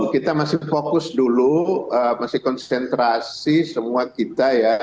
kita masih fokus dulu masih konsentrasi semua kita ya